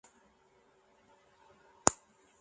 It was Mentioned in dispatches for its proficiency.